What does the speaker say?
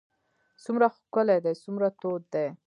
څومره ښکلی دی څومره تود دی.